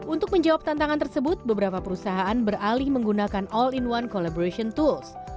untuk menjawab tantangan tersebut beberapa perusahaan beralih menggunakan all in one collaboration tools